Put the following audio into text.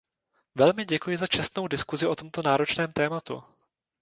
Velmi děkuji za čestnou diskusi o tomto náročném tématu!